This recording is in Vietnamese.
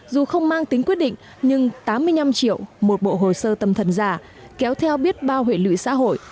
dù không mang tính quyết định nhưng tám mươi năm triệu một bộ hồ sơ tâm thần giả kéo theo biết bao hệ lụy xã hội